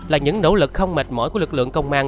là những nỗ lực không mệt mỏi của lực lượng công an